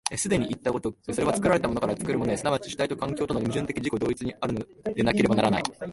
既にいった如く、それは作られたものから作るものへ、即ち主体と環境との矛盾的自己同一にあるのでなければならない。